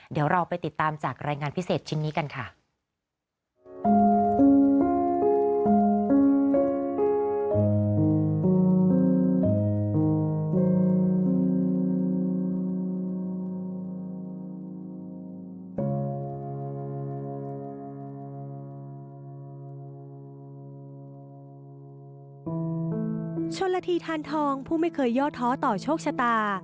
เดี๋ยวเราไปติดตามจากรายงานพิเศษชิ้นนี้กันค่ะ